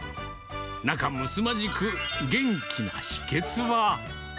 仲むつまじく元気の秘けつは。